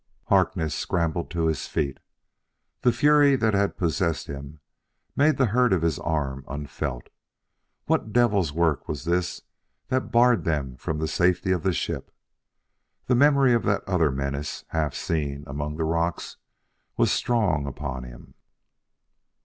Harkness scrambled to his feet. The fury that had possessed him made the hurt of his arm unfelt. What devil's work was this that barred them from the safety of the ship? The memory of that other menace, half seen among the rocks, was strong upon him.